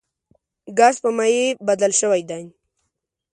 ګاز په مایع بدل شوی دی.